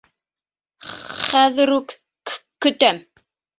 Х-хәҙер үк... к-көтәм.